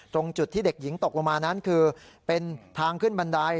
ตรงจุดที่เด็กหญิงตกลงมานั้นคือเป็นทางขึ้นบันได